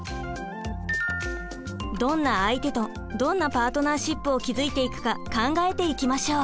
どんな相手とどんなパートナーシップを築いていくか考えていきましょう！